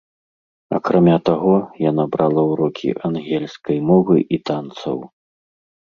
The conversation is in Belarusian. Акрамя таго, яна брала ўрокі ангельскай мовы і танцаў.